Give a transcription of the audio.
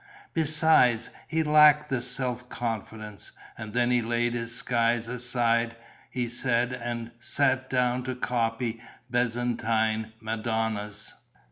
Besides, he lacked the self confidence. And then he laid his skies aside, he said, and sat down to copy Byzantine madonnas.